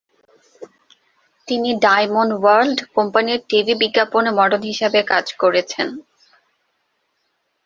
তিনি "Diamond World" কোম্পানির TV বিজ্ঞাপনে মডেল হিসেবে কাজ করেছেন।